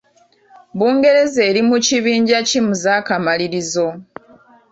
Bungereza eri mu kibinja ki mu z'akamalirizo?